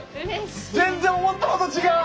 全然思ったのと違う！